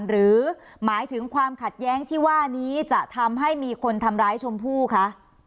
หรือหมายถึงความขัดแย้งที่ว่านี้จะทำให้มีคนทำร้ายชมพู่คะ